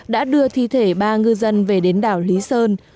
đã đưa thi thể ba ngư dân về đến đảo lý sơn